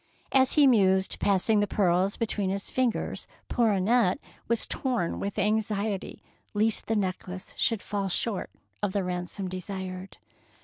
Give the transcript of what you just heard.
As he mused, passing the pearls between his fingers, poor Annette was torn with anxiety lest the necklace should fall short of the ransom desired.